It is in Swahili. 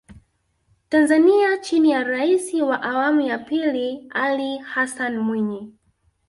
Tanzania chini ya Rais wa awamu ya pili Ali Hassan Mwinyi